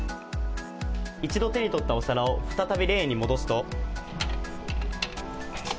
一度手に取ったお皿を再びレーンに戻すと。